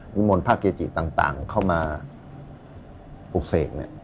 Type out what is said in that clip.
นิมนต์พระเกจิตต่างต่างเข้ามาปลูกเสกเนี่ย